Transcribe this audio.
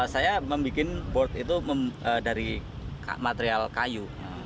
saya membuat board itu dari material kayu